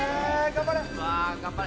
頑張れ！